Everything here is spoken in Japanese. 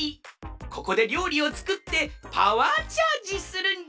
ここでりょうりをつくってパワーチャージするんじゃ！